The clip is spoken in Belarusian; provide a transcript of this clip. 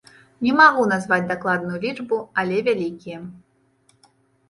Не магу назваць дакладную лічбу, але вялікія.